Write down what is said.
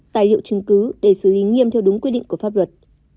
tài liệu chứng cứ để xử lý nghiêm theo đúng quy định của pháp luật